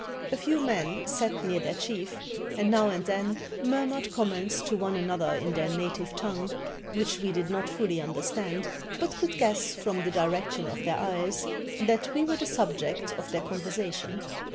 A few men sat near their chief, and now and then murmured comments to one another in their native tongue, which we did not fully understand, but could guess from the direction of their eyes, that we were the subject of their 563 ISLANDS OF THE PACIFIC conversation.